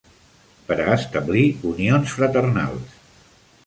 Per a establir unions fraternals.